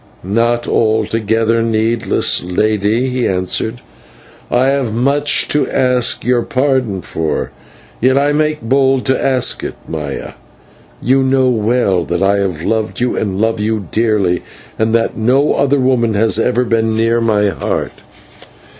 "Not altogether needless, Lady," he answered. "I have much to ask your pardon for, yet I make bold to ask it. Maya, you know well that I have loved and love you dearly, and that no other woman has ever been near my heart."